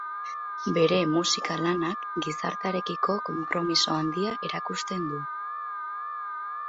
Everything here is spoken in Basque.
Bere musika-lanak gizartearekiko konpromiso handia erakusten du.